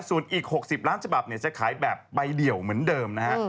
ส่วนอีก๖๐ล้านฉบับจะขายแบบใบเดียวเหมือนเดิมนะฮะ